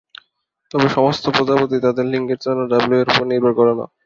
তবে, সমস্ত প্রজাতি তাদের লিঙ্গের জন্য ডাব্লিউ এর উপর নির্ভর করে না।